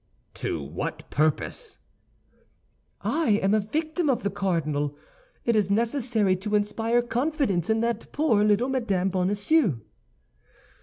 "To what purpose?" "I am a victim of the cardinal. It is necessary to inspire confidence in that poor little Madame Bonacieux."